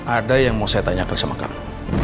ada yang mau saya tanya ke sama kamu